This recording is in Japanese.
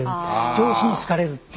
上司に好かれるっていう。